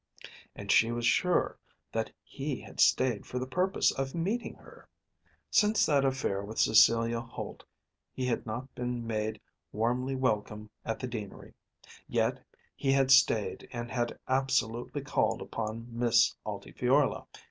And she was sure that he had stayed for the purpose of meeting her. Since that affair with Cecilia Holt he had not been made warmly welcome at the Deanery. Yet he had stayed and had absolutely called upon Miss Altifiorla.